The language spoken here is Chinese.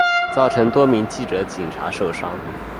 造成多名记者警察受伤